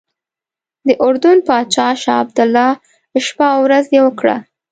د اردن پاچا شاه عبدالله شپه او ورځ یوه کړه.